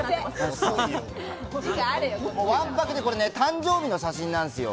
わんぱくで誕生日の写真なんですよ。